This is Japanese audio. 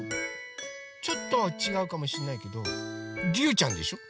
ちょっとはちがうかもしんないけどりゅうちゃんでしょ？